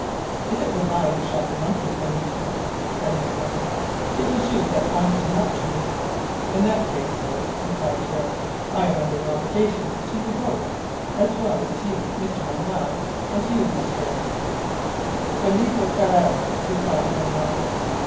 "If it was I who shot the monkey, Benito," said Manoel, "it was you that pointed him out to me." "In that case, sirs," replied Torres, "I am under an obligation to you both, as well to you, Mr. Manoel, as to you, Mr. " "Benito Garral," replied Manoel.